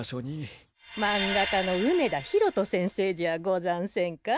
まんがかの梅田博人先生じゃござんせんか。